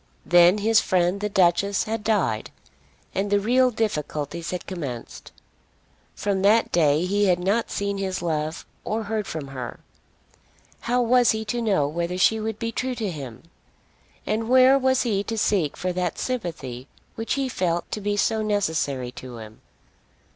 Then his friend the Duchess had died, and the real difficulties had commenced. From that day he had not seen his love, or heard from her. How was he to know whether she would be true to him? And where was he to seek for that sympathy which he felt to be so necessary to him?